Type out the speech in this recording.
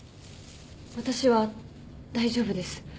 私は大丈夫です。